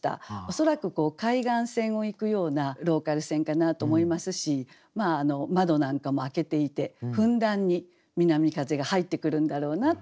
恐らく海岸線を行くようなローカル線かなと思いますし窓なんかも開けていてふんだんに南風が入ってくるんだろうなっていう。